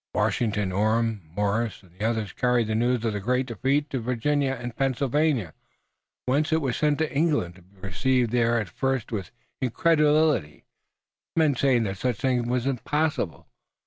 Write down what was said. Washington, Orme, Morris and the others carried the news of the great defeat to Virginia and Pennsylvania, whence it was sent to England, to be received there at first with incredulity, men saying that such a thing was impossible.